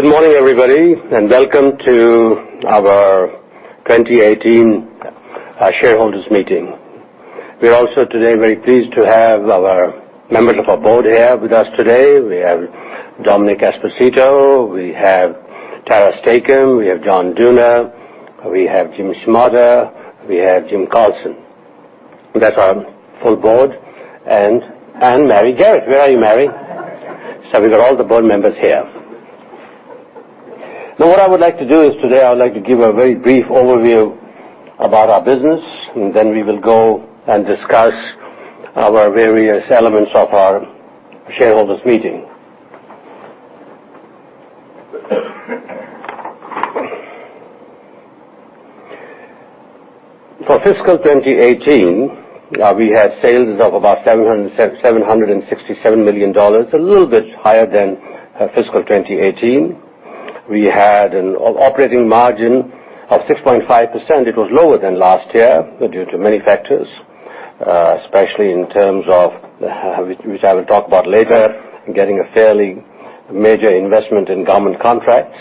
Good morning, everybody, and welcome to our 2018 shareholders meeting. We are also today very pleased to have our members of our board here with us today. We have Domenick Esposito, we have Tara Stacom, we have John Dooner, we have Jim Schmotter, we have Jim Carlson. That is our full board. Mary Garrett. Where are you, Mary? We got all the board members here. What I would like to do is today, I would like to give a very brief overview about our business, then we will go and discuss our various elements of our shareholders meeting. For fiscal 2018, we had sales of about $767 million, a little bit higher than fiscal 2018. We had an operating margin of 6.5%. It was lower than last year due to many factors, especially in terms of, which I will talk about later, getting a fairly major investment in government contracts.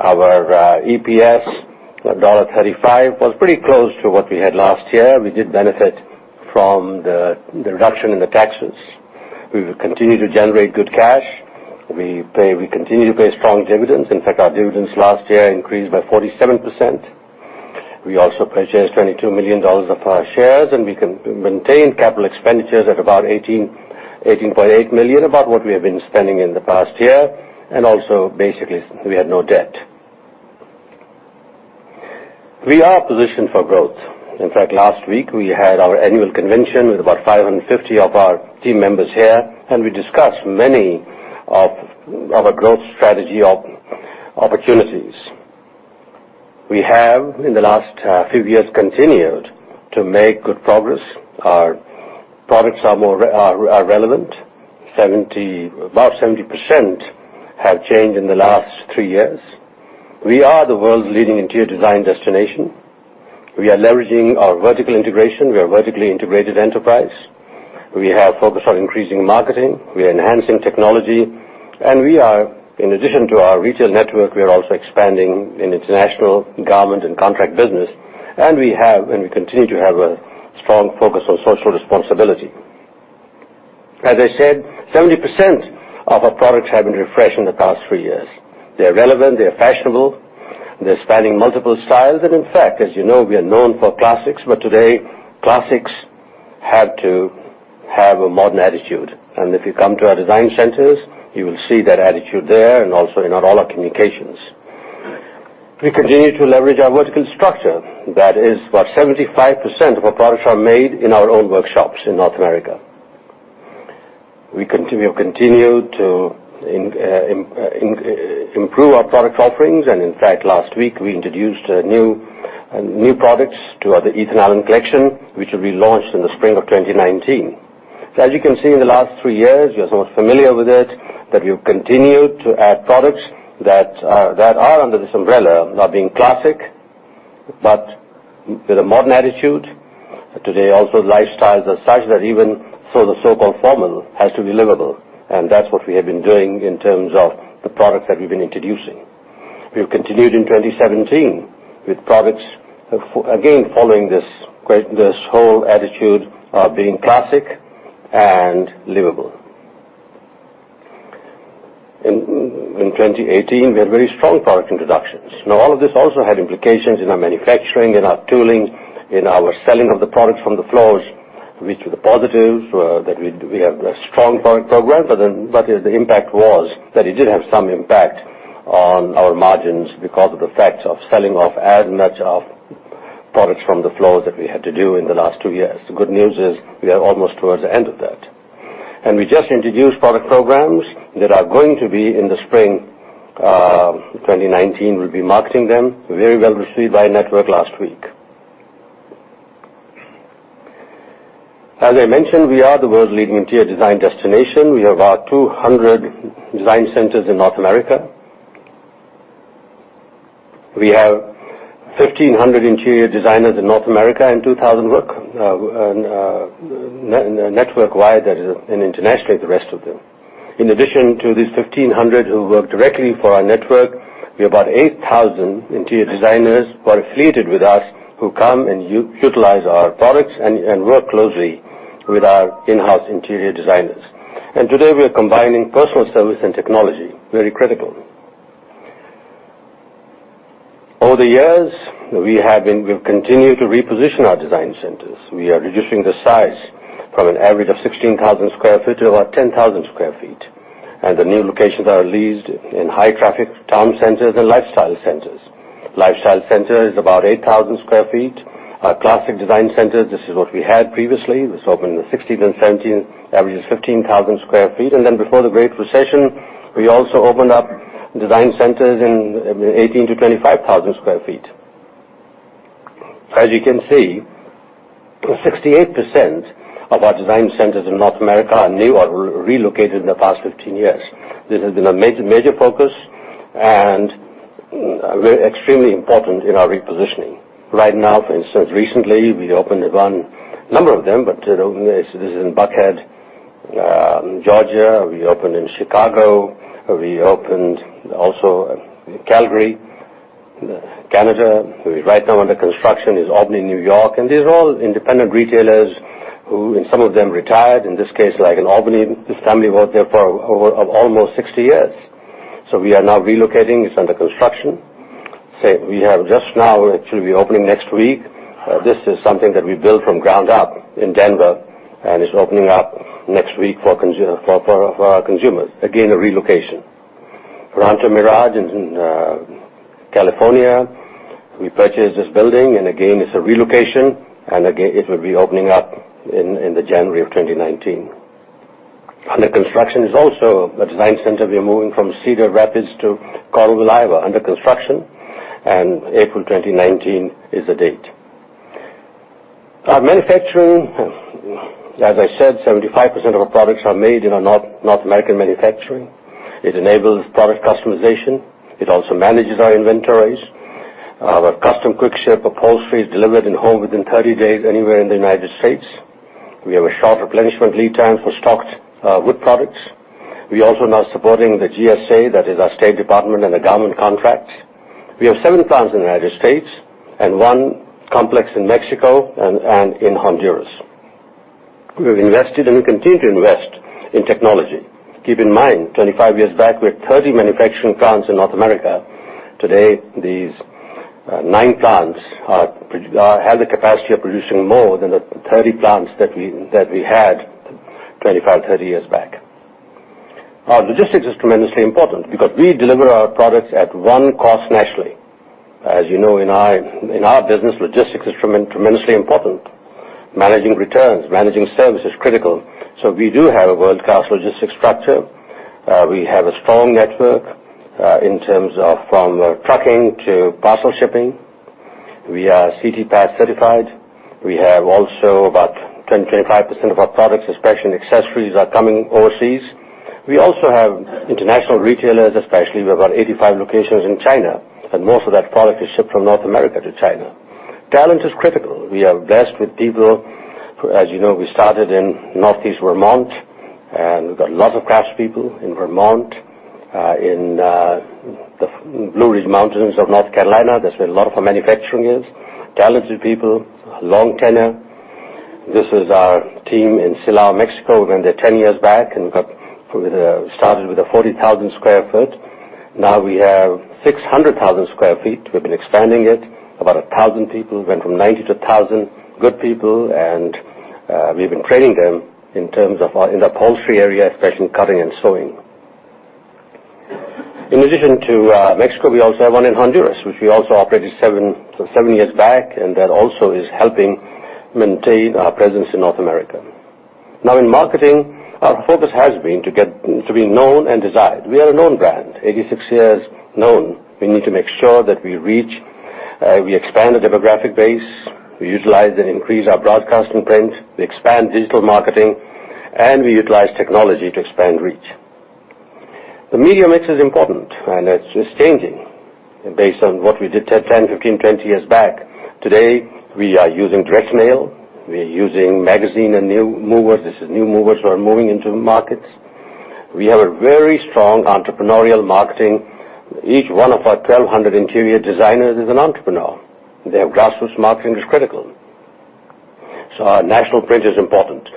Our EPS of $1.35 was pretty close to what we had last year. We did benefit from the reduction in the taxes. We will continue to generate good cash. We continue to pay strong dividends. In fact, our dividends last year increased by 47%. We also purchased $22 million of our shares, we maintained capital expenditures at about $18.8 million, about what we have been spending in the past year. Basically, we had no debt. We are positioned for growth. In fact, last week, we had our annual convention with about 550 of our team members here, we discussed many of our growth strategy opportunities. We have, in the last few years, continued to make good progress. Our products are relevant. About 70% have changed in the last three years. We are the world's leading interior design destination. We are leveraging our vertical integration. We are a vertically integrated enterprise. We have focused on increasing marketing. We are enhancing technology. In addition to our retail network, we are also expanding in international government and contract business. We have, and we continue to have, a strong focus on social responsibility. As I said, 70% of our products have been refreshed in the past three years. They are relevant, they are fashionable, they are spanning multiple styles. In fact, as you know, we are known for classics, but today, classics have to have a modern attitude. If you come to our design centers, you will see that attitude there, and also in all our communications. We continue to leverage our vertical structure. That is what 75% of our products are made in our own workshops in North America. We continue to improve our product offerings. In fact, last week, we introduced new products to our Ethan Allen collection, which will be launched in the spring of 2019. As you can see in the last three years, you are sort of familiar with it, that we have continued to add products that are under this umbrella, are being classic, but with a modern attitude. Today, also, lifestyles are such that even so the so-called formal has to be livable. That is what we have been doing in terms of the products that we have been introducing. We have continued in 2017 with products, again, following this whole attitude of being classic and livable. In 2018, we had very strong product introductions. All of this also had implications in our manufacturing, in our tooling, in our selling of the products from the floors, which were the positives, that we have a strong product program. The impact was that it did have some impact on our margins because of the fact of selling off as much of products from the floors that we had to do in the last two years. The good news is we are almost towards the end of that. We just introduced product programs that are going to be in the spring of 2019. We'll be marketing them. Very well received by network last week. As I mentioned, we are the world's leading interior design destination. We have about 200 design centers in North America. We have 1,500 interior designers in North America, and 2,000 network-wide and internationally, the rest of them. In addition to these 1,500 who work directly for our network, we have about 8,000 interior designers who are affiliated with us, who come and utilize our products and work closely with our in-house interior designers. Today, we are combining personal service and technology, very critical. Over the years, we've continued to reposition our design centers. We are reducing the size from an average of 16,000 square feet to about 10,000 square feet, and the new locations are leased in high-traffic town centers and lifestyle centers. Lifestyle center is about 8,000 square feet. Our classic design centers, this is what we had previously. This opened in the 2016 and 2017, averages 15,000 square feet. Before the Great Recession, we also opened up design centers in 18,000-25,000 square feet. As you can see, 68% of our design centers in North America are new or relocated in the past 15 years. This has been a major focus, and extremely important in our repositioning. Right now, for instance, recently, we opened one, a number of them, but this is in Buckhead, Georgia. We opened in Chicago. We opened also in Calgary, Canada. Right now, under construction is Albany, New York. These are all independent retailers who, some of them retired. In this case, like in Albany, this family worked there for over almost 60 years. We are now relocating. It's under construction. We have just now, it should be opening next week. This is something that we built from ground up in Denver, and it's opening up next week for our consumers. Again, a relocation. Rancho Mirage in California. We purchased this building, again, it's a relocation, and it will be opening up in the January of 2019. Under construction is also a design center. We're moving from Cedar Rapids to Coralville. Under construction, April 2019 is the date. Our manufacturing, as I said, 75% of our products are made in our North American manufacturing. It enables product customization. It also manages our inventories. Our custom quick-ship upholstery is delivered in-home within 30 days anywhere in the United States. We have a short replenishment lead time for stocked wood products. We're also now supporting the GSA, that is our State Department and the government contracts. We have seven plants in the United States and one complex in Mexico and in Honduras. We have invested and we continue to invest in technology. Keep in mind, 25 years back, we had 30 manufacturing plants in North America. Today, these 9 plants have the capacity of producing more than the 30 plants that we had 25, 30 years back. Our logistics is tremendously important because we deliver our products at one cost nationally. As you know, in our business, logistics is tremendously important. Managing returns, managing service is critical. We do have a world-class logistics structure. We have a strong network in terms of from trucking to parcel shipping. We are C-TPAT certified. We have also about 10%, 25% of our products, especially in accessories, are coming overseas. We also have international retailers, especially. We have about 85 locations in China, and most of that product is shipped from North America to China. Talent is critical. We are blessed with people. As you know, we started in Northeast Vermont, and we've got lots of craftspeople in Vermont. In the Blue Ridge Mountains of North Carolina, that's where a lot of our manufacturing is. Talented people, long tenure. This is our team in Silao, Mexico. Went there 10 years back. We started with a 40,000 sq ft. Now we have 600,000 sq ft. We've been expanding it. About 1,000 people. Went from 90 to 1,000. Good people, we've been training them in terms of in the upholstery area, especially in cutting and sewing. In addition to Mexico, we also have one in Honduras, which we also operated 7 years back, that also is helping maintain our presence in North America. Now in marketing, our focus has been to be known and desired. We are a known brand, 86 years known. We need to make sure that we reach, we expand the demographic base, we utilize and increase our broadcast and print, we expand digital marketing, we utilize technology to expand reach. The media mix is important, it's changing based on what we did 10, 15, 20 years back. Today, we are using direct mail. We're using magazine and New Movers. This is New Movers who are moving into markets. We have a very strong entrepreneurial marketing. Each one of our 1,200 interior designers is an entrepreneur. Their grassroots marketing is critical. Our national print is important.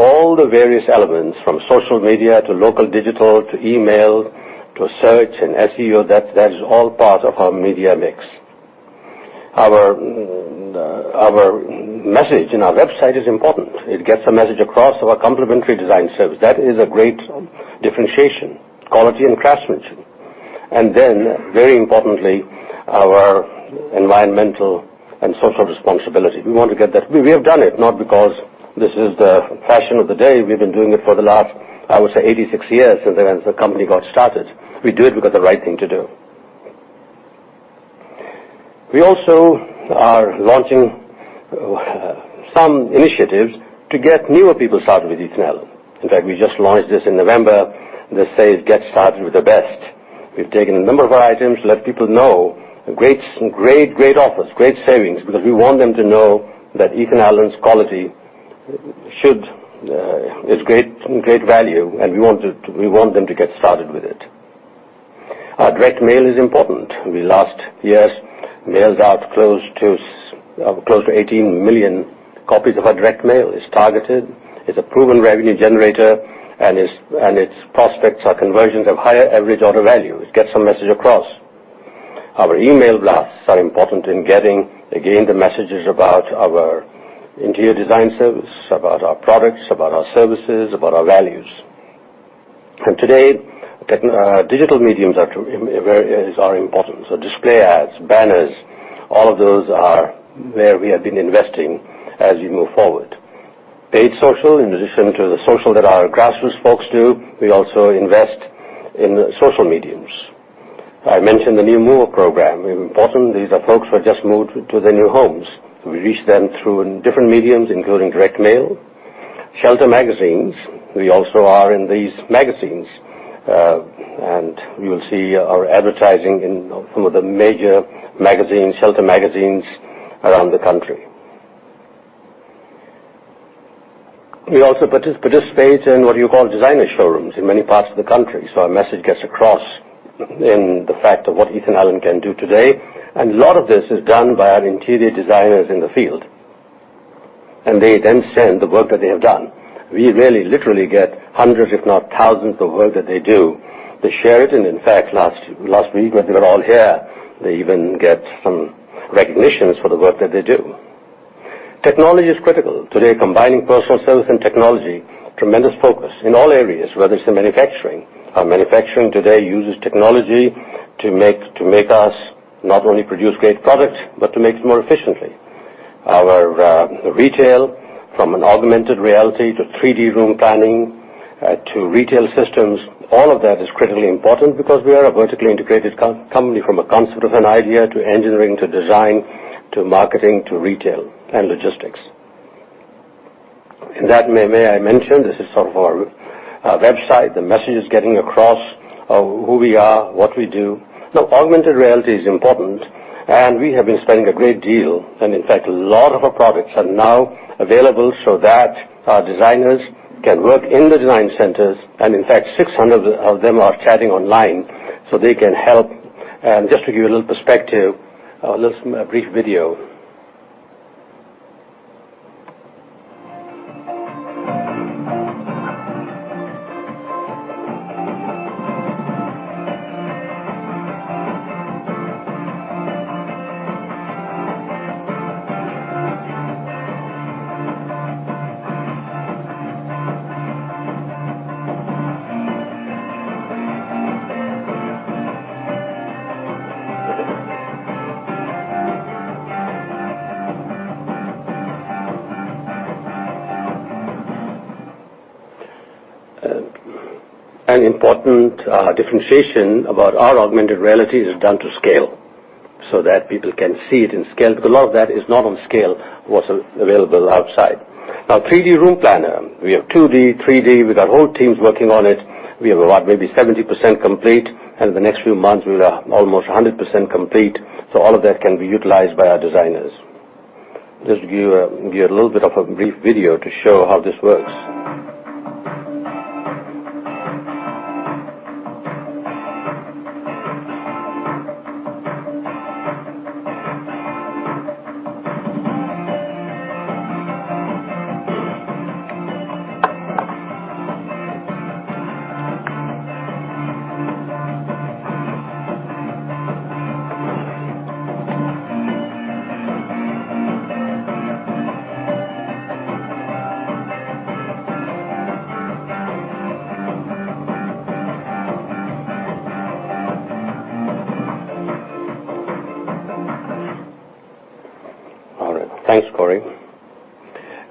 All the various elements, from social media to local digital, to email, to search and SEO, that is all part of our media mix. Our message in our website is important. It gets the message across of our complimentary design service. That is a great differentiation. Quality and craftsmanship. Very importantly, our environmental and social responsibility. We want to get that. We have done it not because this is the fashion of the day. We've been doing it for the last, I would say, 86 years since the company got started. We do it because it's the right thing to do. We also are launching some initiatives to get newer people started with Ethan Allen. In fact, we just launched this in November. This says, "Get started with the best." We've taken a number of our items, let people know great offers, great savings, because we want them to know that Ethan Allen's quality is great value, and we want them to get started with it. Our direct mail is important. We last years mailed out close to 18 million copies of our direct mail. It's targeted. It's a proven revenue generator, its prospects are conversions of higher average order value. It gets the message across. Our email blasts are important in getting, again, the messages about our interior design service, about our products, about our services, about our values. Today, digital mediums are important. Display ads, banners, all of those are where we have been investing as we move forward. Paid social, in addition to the social that our grassroots folks do, we also invest in social mediums. I mentioned the New Mover Program. Important. These are folks who just moved to their new homes. We reach them through different mediums, including direct mail. Shelter magazines. We also are in these magazines. You will see our advertising in some of the major magazines, shelter magazines around the country. We also participate in what you call designer showrooms in many parts of the country. Our message gets across in the fact of what Ethan Allen can do today. A lot of this is done by our interior designers in the field. They then send the work that they have done. We really literally get hundreds, if not thousands, of work that they do. They share it. In fact, last week when they were all here, they even get some recognitions for the work that they do. Technology is critical. Today, combining personal service and technology, tremendous focus in all areas, whether it's in manufacturing. Our manufacturing today uses technology to make us not only produce great products, but to make it more efficiently. Our retail, from an augmented reality to 3D Room Planner, to retail systems, all of that is critically important because we are a vertically integrated company from a concept of an idea to engineering, to design, to marketing, to retail and logistics. May I mention, this is our website. The message is getting across of who we are, what we do. Augmented reality is important, and we have been spending a great deal. In fact, a lot of our products are now available so that our designers can work in the design centers. In fact, 600 of them are chatting online, so they can help. Just to give you a little perspective, a little brief video. An important differentiation about our augmented reality is done to scale so that people can see it in scale. Because a lot of that is not on scale, what's available outside. 3D Room Planner. We have 2D, 3D. We got whole teams working on it. We have about maybe 70% complete, and in the next few months, we are almost 100% complete. All of that can be utilized by our designers. Just give you a little bit of a brief video to show how this works.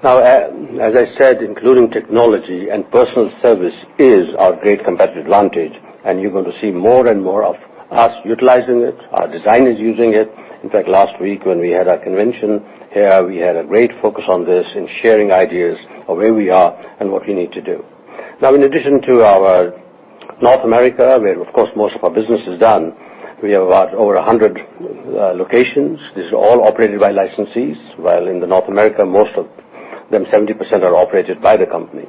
All right. Thanks, Corey. As I said, including technology and personal service is our great competitive advantage, and you're going to see more and more of us utilizing it, our designers using it. In fact, last week when we had our convention here, we had a great focus on this in sharing ideas of where we are and what we need to do. In addition to our North America, where, of course, most of our business is done, we have about over 100 locations. These are all operated by licensees. While in the North America, most of them, 70%, are operated by the company.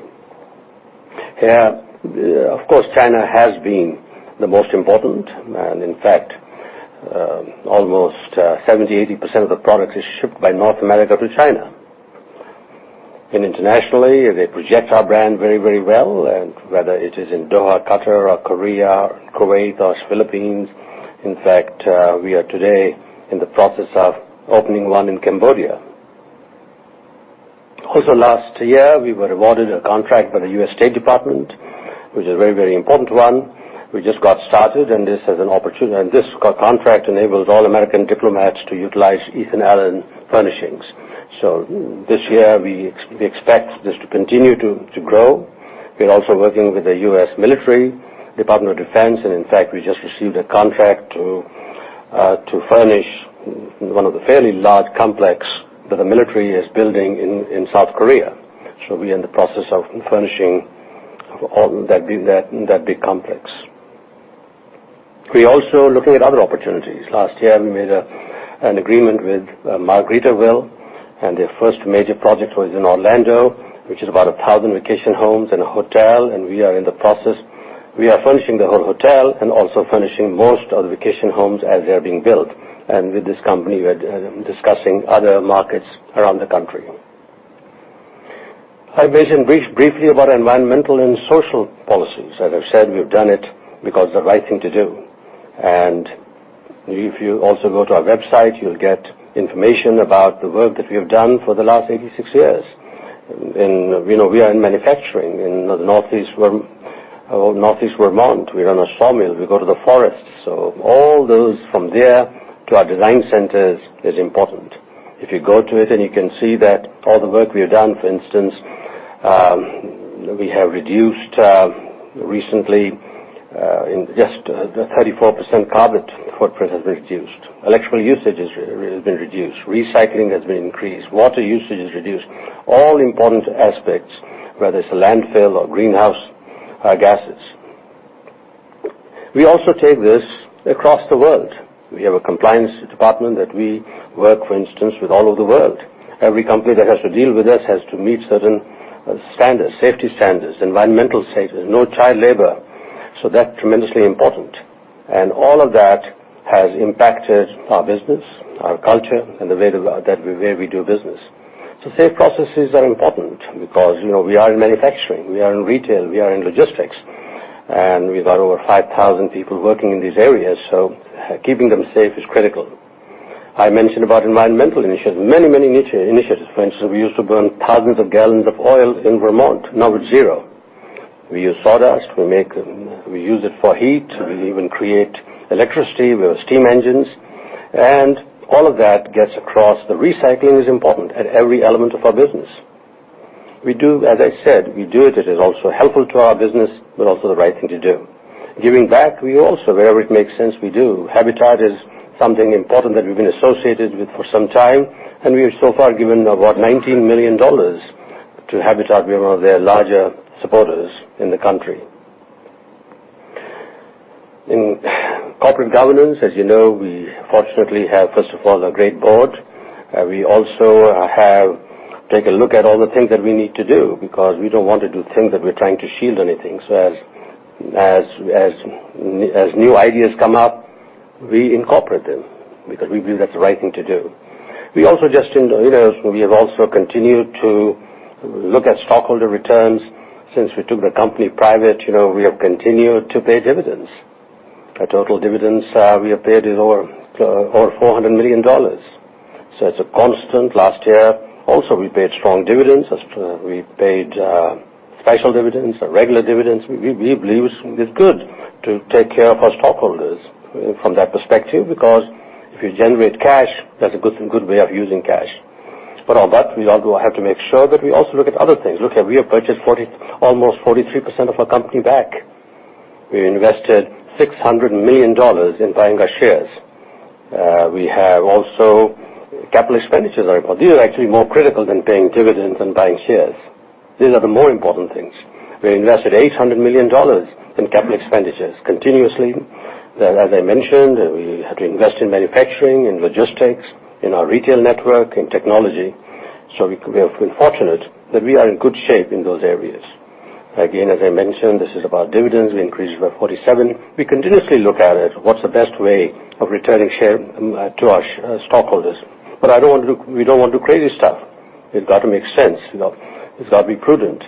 Of course, China has been the most important. In fact, almost 70%-80% of the product is shipped by North America to China. Internationally, they project our brand very well, whether it is in Doha, Qatar, or Korea, Kuwait, or Philippines. In fact, we are today in the process of opening one in Cambodia. Last year, we were awarded a contract by the U.S. Department of State, which is a very, very important one. We just got started, and this contract enables all American diplomats to utilize Ethan Allen furnishings. This year, we expect this to continue to grow. We're also working with the U.S. military, U.S. Department of Defense. In fact, we just received a contract to furnish one of the fairly large complex that the military is building in South Korea. We're in the process of furnishing that big complex. We're also looking at other opportunities. Last year, we made an agreement with Margaritaville, and their first major project was in Orlando, which is about 1,000 vacation homes and a hotel, and we are in the process. We are furnishing the whole hotel and also furnishing most of the vacation homes as they are being built. With this company, we're discussing other markets around the country. I mentioned briefly about our environmental and social policies. As I've said, we've done it because it's the right thing to do. If you also go to our website, you'll get information about the work that we have done for the last 86 years. We are in manufacturing in the Northeast, Vermont. We run a sawmill. We go to the forest. All those from there to our design centers is important. If you go to it, you can see that all the work we have done. For instance, we have reduced recently, in just the 34% carbon footprint has been reduced. Electrical usage has been reduced. Recycling has been increased. Water usage is reduced. All important aspects, whether it's a landfill or greenhouse gases. We also take this across the world. We have a compliance department that we work, for instance, with all over the world. Every company that has to deal with us has to meet certain standards, safety standards, environmental standards, no child labor. That's tremendously important. All of that has impacted our business, our culture, and the way that we do business. Safe processes are important because we are in manufacturing, we are in retail, we are in logistics, and we've got over 5,000 people working in these areas. Keeping them safe is critical. I mentioned about environmental initiatives. Many initiatives. For instance, we used to burn thousands of gallons of oil in Vermont. Now we're at zero. We use sawdust. We use it for heat. We even create electricity with steam engines. All of that gets across that recycling is important at every element of our business. As I said, we do it as it is also helpful to our business, but also the right thing to do. Giving back, we also, wherever it makes sense, we do. Habitat is something important that we've been associated with for some time, and we've so far given about $19 million to Habitat. We are one of their larger supporters in the country. In corporate governance, as you know, we fortunately have, first of all, a great board. We also take a look at all the things that we need to do because we don't want to do things that we're trying to shield anything. As new ideas come up, we incorporate them because we believe that's the right thing to do. We have also continued to look at stockholder returns. Since we took the company private, we have continued to pay dividends. Our total dividends we have paid is over $400 million. It's a constant. Last year also, we paid strong dividends as we paid special dividends or regular dividends. We believe it's good to take care of our stockholders from that perspective, because if you generate cash, that's a good way of using cash. On that, we have to make sure that we also look at other things. Look at we have purchased almost 43% of our company back. We invested $600 million in buying our shares. We have also capital expenditures. These are actually more critical than paying dividends and buying shares. These are the more important things. We invested $800 million in capital expenditures continuously. As I mentioned, we had to invest in manufacturing and logistics, in our retail network, in technology. We have been fortunate that we are in good shape in those areas. Again, as I mentioned, this is about dividends. We increased by 47. We continuously look at it. What's the best way of returning share to our stockholders? We don't want to do crazy stuff. It's got to make sense. It's got to be prudent.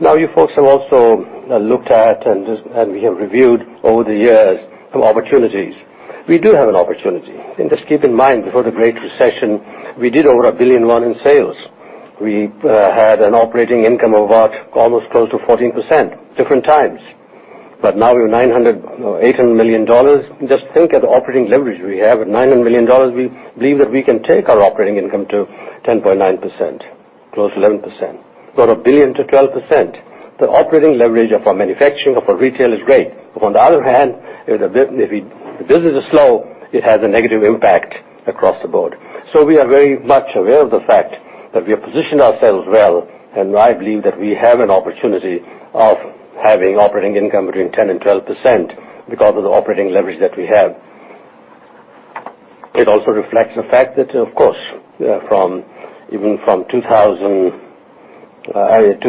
Now you folks have also looked at, and we have reviewed over the years, opportunities. We do have an opportunity. Just keep in mind, before the Great Recession, we did over a billion and one in sales. We had an operating income of almost close to 14%. Different times. Now we're $800 million. Just think of the operating leverage we have. At $900 million, we believe that we can take our operating income to 10.9%, close to 11%, or a billion to 12%. The operating leverage of our manufacturing, of our retail is great. On the other hand, if business is slow, it has a negative impact across the board. We are very much aware of the fact that we have positioned ourselves well, and I believe that we have an opportunity of having operating income between 10% and 12% because of the operating leverage that we have. It also reflects the fact that, of course, even from 2006,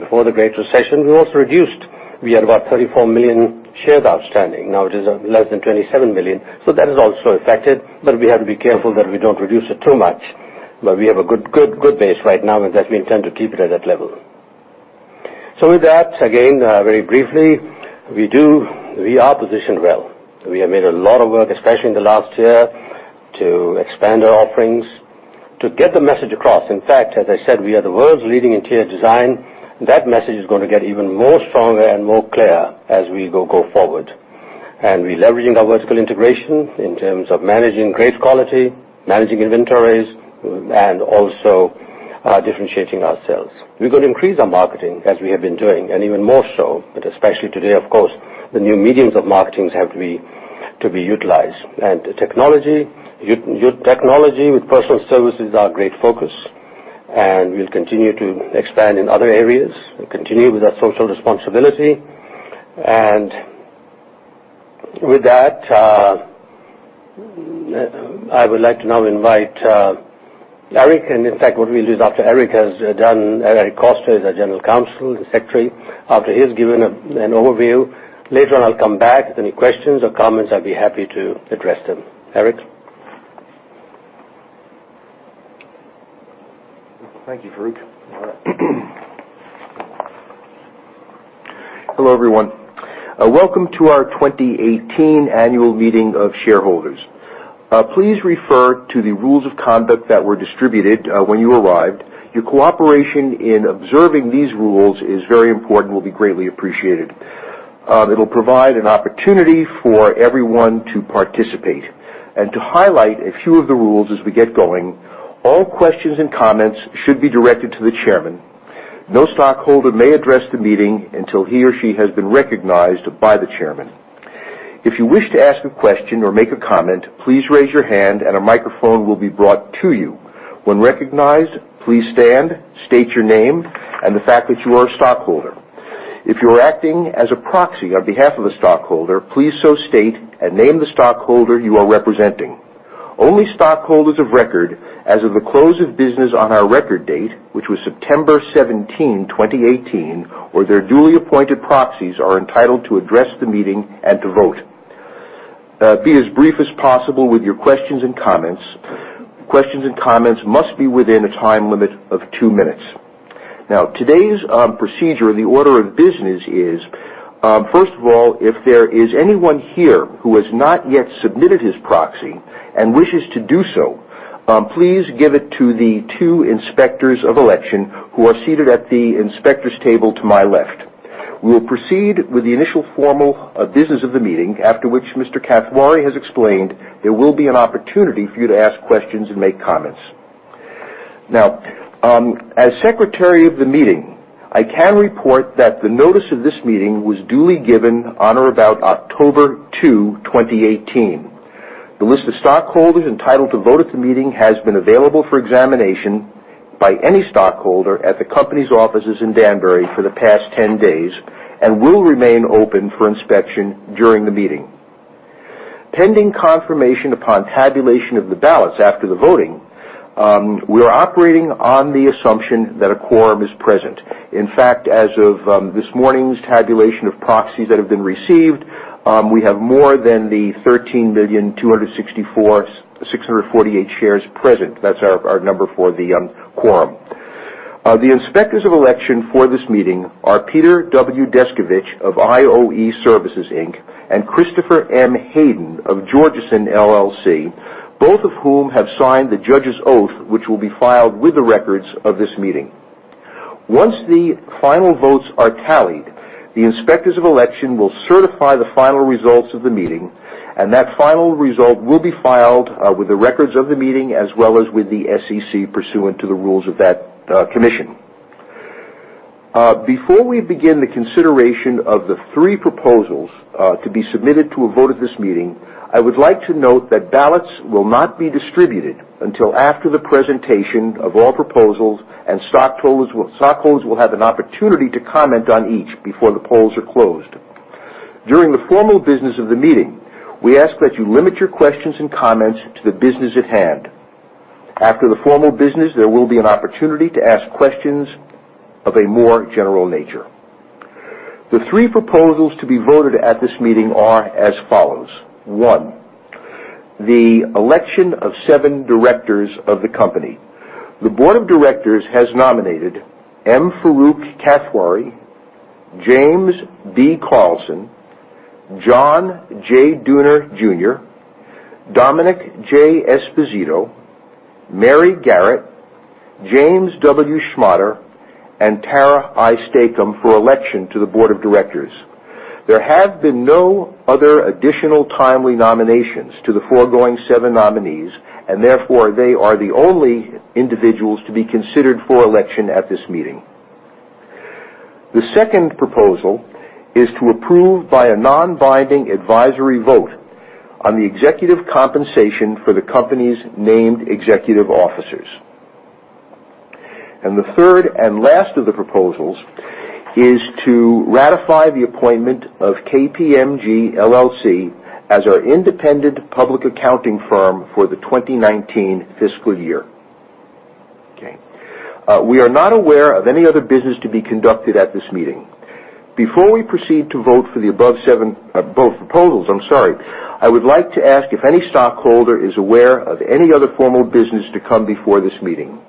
before the Great Recession, we also reduced. We had about 34 million shares outstanding. Now it is less than 27 million. That has also affected. We have to be careful that we don't reduce it too much. We have a good base right now, and that we intend to keep it at that level. With that, again, very briefly, we are positioned well. We have made a lot of work, especially in the last year, to expand our offerings, to get the message across. In fact, as I said, we are the world's leading in interior design. That message is going to get even more stronger and more clear as we go forward. We're leveraging our vertical integration in terms of managing great quality, managing inventories, and also differentiating ourselves. We're going to increase our marketing as we have been doing, and even more so. Especially today, of course, the new mediums of marketing have to be utilized. Technology with personal services are a great focus, and we'll continue to expand in other areas and continue with our social responsibility. With that, I would like to now invite Eric. In fact, what we'll do is after Eric Koster is our General Counsel and Secretary. After he has given an overview, later on I'll come back. If there are any questions or comments, I'd be happy to address them. Eric? Thank you, Farooq. Hello, everyone. Welcome to our 2018 annual meeting of shareholders. Please refer to the rules of conduct that were distributed when you arrived. Your cooperation in observing these rules is very important, will be greatly appreciated. It'll provide an opportunity for everyone to participate. To highlight a few of the rules as we get going. All questions and comments should be directed to the chairman. No stockholder may address the meeting until he or she has been recognized by the chairman. If you wish to ask a question or make a comment, please raise your hand and a microphone will be brought to you. When recognized, please stand, state your name, and the fact that you are a stockholder. If you are acting as a proxy on behalf of a stockholder, please so state and name the stockholder you are representing. Only stockholders of record as of the close of business on our record date, which was September 17, 2018, or their duly appointed proxies, are entitled to address the meeting and to vote. Be as brief as possible with your questions and comments. Questions and comments must be within a time limit of two minutes. Today's procedure and the order of business is, first of all, if there is anyone here who has not yet submitted his proxy and wishes to do so, please give it to the two inspectors of election who are seated at the inspectors table to my left. We will proceed with the initial formal business of the meeting, after which Mr. Kathwari has explained there will be an opportunity for you to ask questions and make comments. Now, as secretary of the meeting, I can report that the notice of this meeting was duly given on or about October 2, 2018. The list of stockholders entitled to vote at the meeting has been available for examination by any stockholder at the company's offices in Danbury for the past 10 days and will remain open for inspection during the meeting. Pending confirmation upon tabulation of the ballots after the voting, we are operating on the assumption that a quorum is present. In fact, as of this morning's tabulation of proxies that have been received, we have more than the 13,264,648 shares present. That's our number for the quorum. The inspectors of election for this meeting are Peter W. Descovich of IVS Associates, Inc., and Christopher M. Hayden of Georgeson LLC, both of whom have signed the judge's oath, which will be filed with the records of this meeting. Once the final votes are tallied, the inspectors of election will certify the final results of the meeting, that final result will be filed with the records of the meeting as well as with the SEC pursuant to the rules of that commission. Before we begin the consideration of the three proposals to be submitted to a vote at this meeting, I would like to note that ballots will not be distributed until after the presentation of all proposals and stockholders will have an opportunity to comment on each before the polls are closed. During the formal business of the meeting, we ask that you limit your questions and comments to the business at hand. After the formal business, there will be an opportunity to ask questions of a more general nature. The three proposals to be voted at this meeting are as follows. One, the election of seven directors of the company. The board of directors has nominated M. Farooq Kathwari, James B. Carlson, John J. Dooner, Jr., Domenick J. Esposito, Mary Garrett, James W. Schmotter, and Tara I. Stacom for election to the board of directors. There have been no other additional timely nominations to the foregoing seven nominees, therefore, they are the only individuals to be considered for election at this meeting. The second proposal is to approve by a non-binding advisory vote on the executive compensation for the company's named executive officers. The third and last of the proposals is to ratify the appointment of KPMG LLP as our independent public accounting firm for the 2019 fiscal year. Okay. We are not aware of any other business to be conducted at this meeting. Before we proceed to vote for the above proposals, I would like to ask if any stockholder is aware of any other formal business to come before this meeting.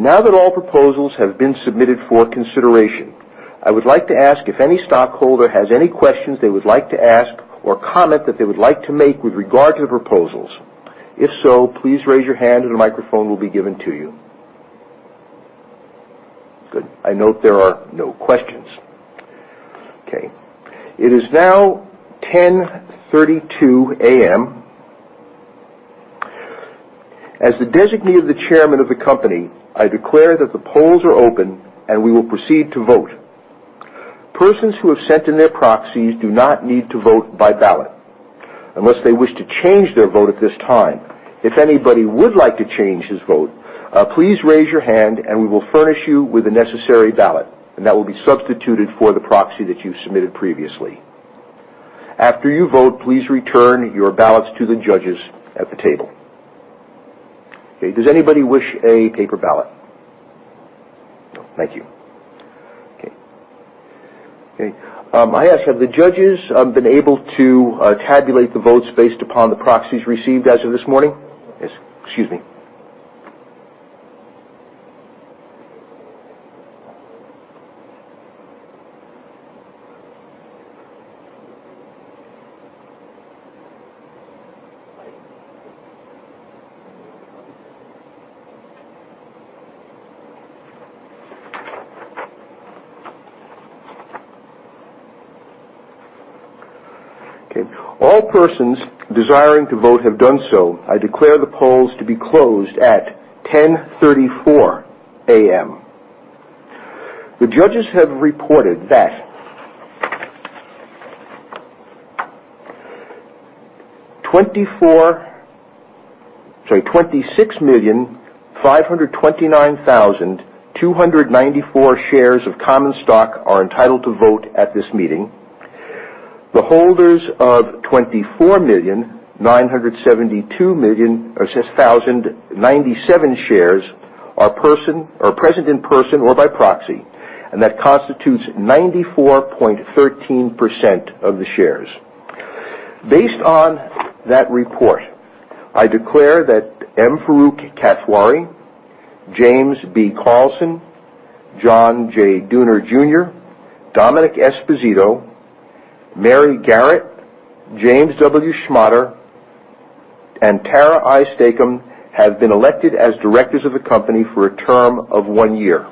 Okay. Now that all proposals have been submitted for consideration, I would like to ask if any stockholder has any questions they would like to ask or comment that they would like to make with regard to the proposals. If so, please raise your hand and a microphone will be given to you. Good. I note there are no questions. Okay. It is now 10:32 A.M. As the designee of the chairman of the company, I declare that the polls are open, we will proceed to vote. Persons who have sent in their proxies do not need to vote by ballot unless they wish to change their vote at this time. If anybody would like to change his vote, please raise your hand, and we will furnish you with the necessary ballot, and that will be substituted for the proxy that you submitted previously. After you vote, please return your ballots to the judges at the table. Okay. Does anybody wish a paper ballot? No. Thank you. Okay. I ask, have the judges been able to tabulate the votes based upon the proxies received as of this morning? Yes. Excuse me. Okay. All persons desiring to vote have done so. I declare the polls to be closed at 10:34 A.M. The judges have reported that 26,529,294 shares of common stock are entitled to vote at this meeting. The holders of 24,972,097 shares are present in person or by proxy, and that constitutes 94.13% of the shares. Based on that report, I declare that M. Farooq Kathwari, James B. Carlson, John J. Dooner Jr., Domenick Esposito, Mary Garrett, James W. Schmotter, and Tara I. Stacom have been elected as directors of the company for a term of one year.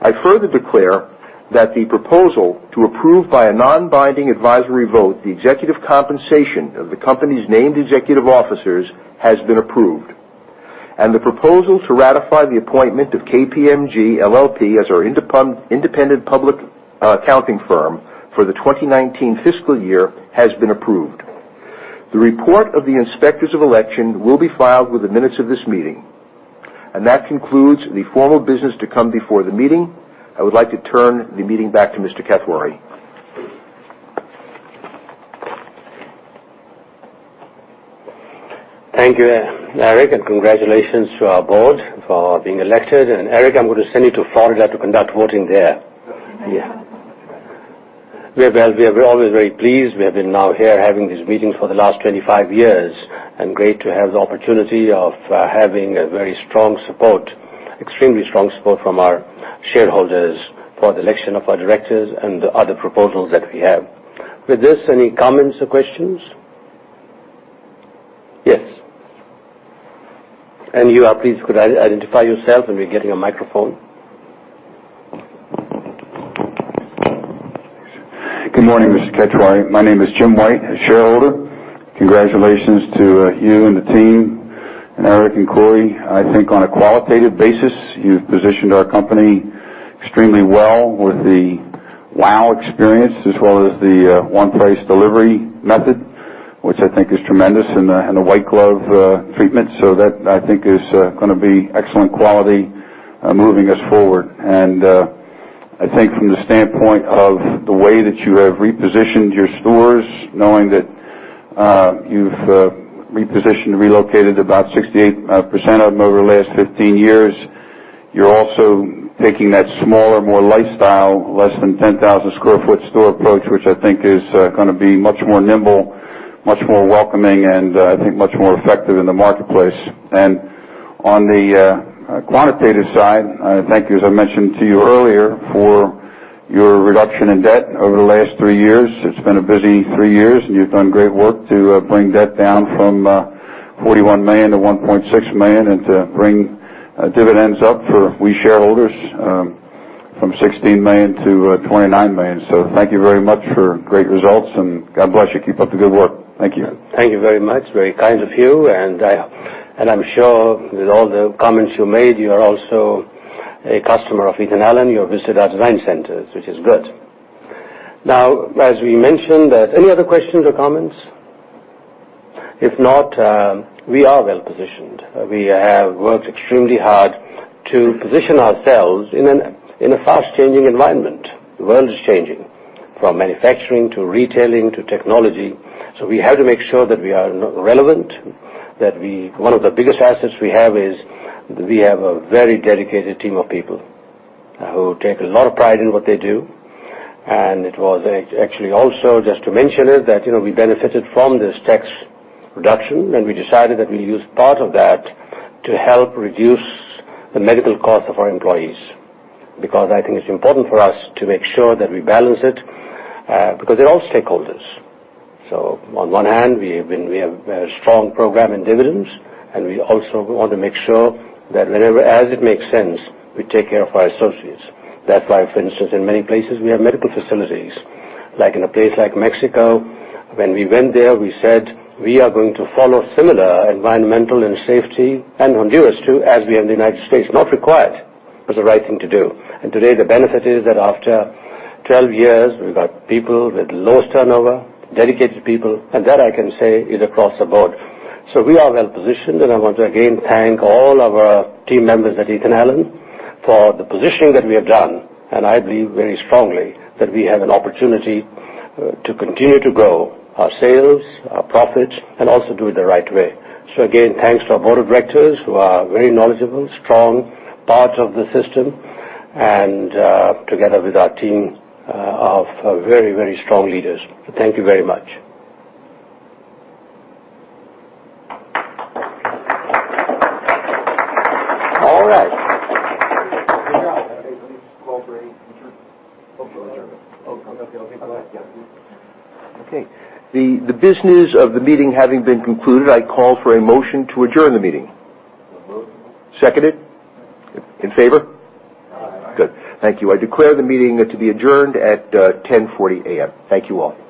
I further declare that the proposal to approve by a non-binding advisory vote the executive compensation of the company's named executive officers has been approved, and the proposal to ratify the appointment of KPMG LLP as our independent public accounting firm for the 2019 fiscal year has been approved. The report of the inspectors of election will be filed with the minutes of this meeting. That concludes the formal business to come before the meeting. I would like to turn the meeting back to Mr. Kathwari. Thank you, Eric. Congratulations to our board for being elected. Eric, I'm going to send you to Florida to conduct voting there. Yeah. We are always very pleased. We have been now here having these meetings for the last 25 years, and great to have the opportunity of having extremely strong support from our shareholders for the election of our directors and the other proposals that we have. With this, any comments or questions? Yes. Please could identify yourself, and you're getting a microphone. Good morning, Mr. Kathwari. My name is Jim White, a shareholder. Congratulations to you and the team, and Eric and Corey. I think on a qualitative basis, you've positioned our company extremely well with the WOW experience, as well as the One Price delivery method, which I think is tremendous, and the white glove treatment. That, I think, is going to be excellent quality moving us forward. I think from the standpoint of the way that you have repositioned your stores, knowing that you've repositioned, relocated about 68% of them over the last 15 years. You're also taking that smaller, more lifestyle, less than 10,000 square foot store approach, which I think is going to be much more nimble, much more welcoming, and I think much more effective in the marketplace. On the quantitative side, thank you, as I mentioned to you earlier, for your reduction in debt over the last three years. It's been a busy three years, and you've done great work to bring debt down from $41 million to $1.6 million and to bring dividends up for we shareholders from $16 million to $29 million. Thank you very much for great results, and God bless you. Keep up the good work. Thank you. Thank you very much. Very kind of you. I'm sure with all the comments you made, you are also a customer of Ethan Allen. You have visited our design centers, which is good. As we mentioned that Any other questions or comments? If not, we are well-positioned. We have worked extremely hard to position ourselves in a fast-changing environment. The world is changing from manufacturing, to retailing, to technology. We have to make sure that we are relevant. One of the biggest assets we have is we have a very dedicated team of people who take a lot of pride in what they do. It was actually also, just to mention it, that we benefited from this tax reduction, and we decided that we'll use part of that to help reduce the medical cost of our employees. I think it's important for us to make sure that we balance it, because they're all stakeholders. On one hand, we have a strong program in dividends, and we also want to make sure that whenever, as it makes sense, we take care of our associates. That's why, for instance, in many places, we have medical facilities. Like in a place like Mexico, when we went there, we said we are going to follow similar environmental and safety, and Honduras too, as we have in the U.S. Not required. It was the right thing to do. Today, the benefit is that after 12 years, we've got people with lowest turnover, dedicated people, and that, I can say, is across the board. We are well-positioned, and I want to again thank all of our team members at Ethan Allen for the positioning that we have done. I believe very strongly that we have an opportunity to continue to grow our sales, our profits, and also do it the right way. Again, thanks to our Board of Directors who are very knowledgeable, strong part of the system, and together with our team of very strong leaders. Thank you very much. All right. Okay. The business of the meeting having been concluded, I call for a motion to adjourn the meeting. Moved. Second it? In favor? Aye. Good. Thank you. I declare the meeting to be adjourned at 10:40 A.M. Thank you all.